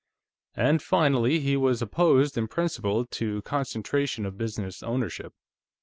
And finally, he was opposed in principle to concentration of business ownership.